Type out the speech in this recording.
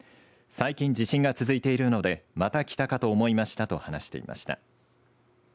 最近、地震が続いているのでまたきたかと思いましたと話していました。